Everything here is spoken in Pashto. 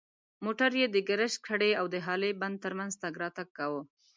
موټر یې د کرشک هډې او د هالې بند تر منځ تګ راتګ کاوه.